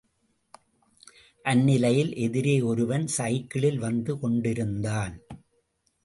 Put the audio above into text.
அந்நிலையில் எதிரே ஒருவன் கைக்கிளில் வந்து கொண்டிருந்தான்.